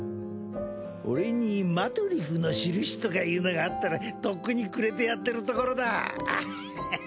俺にマトリフのしるしとかいうのがあったらとっくにくれてやってるところだアハハハハハ。